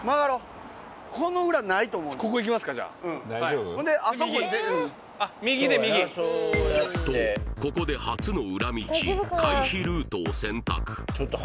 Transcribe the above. うんとここで初の裏道回避ルートを選択